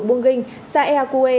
ở buông ginh xa ea cua